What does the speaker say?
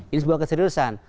ini sebuah keseriusan